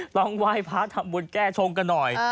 ลองไหว้พระธรรมบุญแก้ชงกันหน่อย